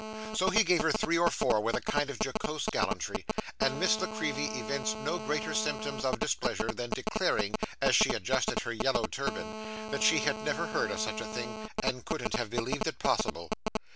So, he gave her three or four with a kind of jocose gallantry, and Miss La Creevy evinced no greater symptoms of displeasure than declaring, as she adjusted her yellow turban, that she had never heard of such a thing, and couldn't have believed it possible.